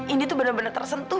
indi tuh bener bener tersentuh